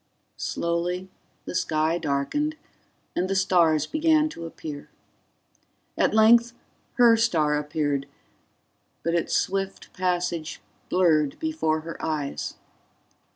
Slowly the sky darkened and the stars began to appear. At length her star appeared, but its swift passage blurred before her eyes.